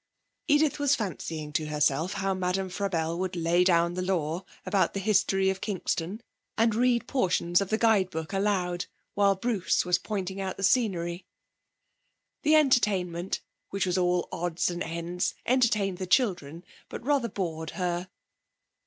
Edith was fancying to herself how Madame Frabelle would lay down the law about the history of Kingston, and read portions of the guide book aloud, while Bruce was pointing out the scenery. The entertainment, which was all odds and ends, entertained the children, but rather bored her.